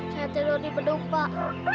saya tidur di beduk pak